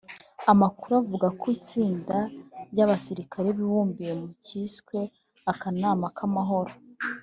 Amakuru avuga ko itsinda ry’abasirikare bibumbiye mu cyiswe ‘akanama k’amahoro’